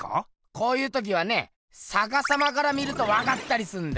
こういう時はねさかさまから見るとわかったりすんだよ。